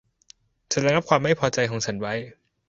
ฉันระงับความไม่พอใจของฉันไว้